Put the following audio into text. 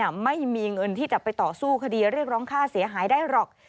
ไม่มีเงินที่จะไปต่อสู้คดีเรียกร้องค่าเสียหายได้หรอก